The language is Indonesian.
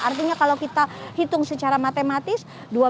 artinya kalau kita hitung secara matematis